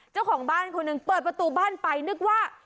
เจ้าของบ้านคนหนึ่งเปิดประตูบ้านไปนึกว่า